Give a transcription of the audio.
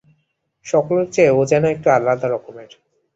সকলের চেয়ে ও যেন একটু আলাদা রকমের।